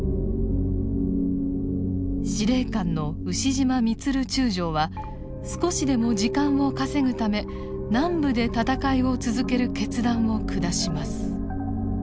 司令官の牛島満中将は少しでも時間を稼ぐため南部で戦いを続ける決断を下します。